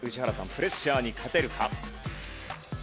プレッシャーに勝てるか？